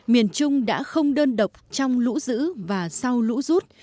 miền trung đã không đơn độc trong lũ dữ và sau lũ rút